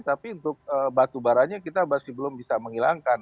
tapi untuk batu baranya kita masih belum bisa menghilangkan